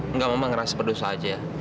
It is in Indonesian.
enggak memang ngerasa berdosa aja